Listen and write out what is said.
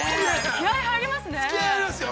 ◆気合入りますよ。